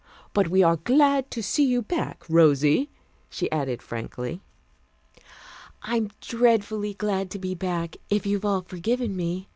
"But we are glad to see you back, Rosy," she added, frankly. "I'm dreadfully glad to be back, if you've all forgiven me.